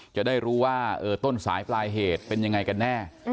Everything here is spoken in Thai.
จะได้รู้ว่าต้นสายปลายเหตุเป็นยังไงกันแน่